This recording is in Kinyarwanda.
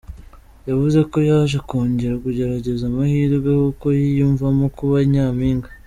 Yavuze ko yaje kongera kugerageza amahirwe kuko ’yiyumvamo kuba Nyampinga’.